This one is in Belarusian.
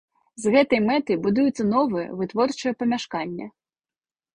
З гэтай мэтай будуюцца новыя вытворчыя памяшканні.